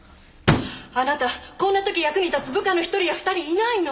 あなたこんな時役に立つ部下の一人や二人いないの！？